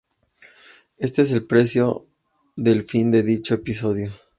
Este es el principio del fin de dicho episodio.